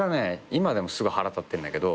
今でもすごい腹立ってんだけど。